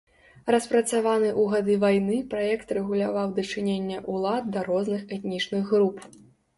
Распрацаваны ў гады вайны праект рэгуляваў дачыненне ўлад да розных этнічных груп.